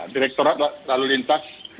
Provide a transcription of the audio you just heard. direktorat lalu lintas